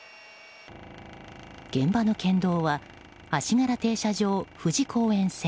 現場の県道は足柄停車場富士公園線